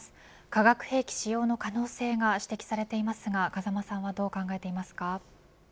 化学兵器使用の可能性が指摘されていますが風間さんはどう考えていますか。